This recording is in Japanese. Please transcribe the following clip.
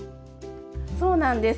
そうなんです！